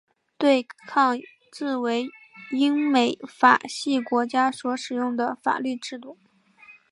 对抗制为英美法系国家所使用的法律制度。